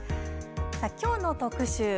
きょうの特集